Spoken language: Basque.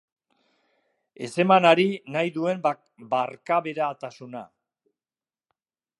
Ez eman hari nahi duen barkaberatasuna.